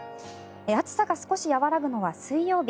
暑さが少し和らぐのは水曜日。